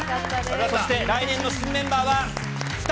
そして、来年の新メンバーは２人